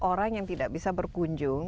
orang yang tidak bisa berkunjung